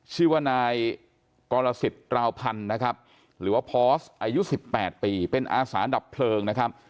ชื่อว่านายกรสิทธิราวพันธ์นะครับหรือว่าพอสอายุ๑๘ปีเป็นอาสาดับเพลิงนะครับ